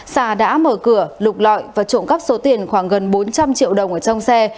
sà đã mở cửa lục lọi và trộm cắp số tiền khoảng gần bốn trăm linh triệu đồng ở trong xe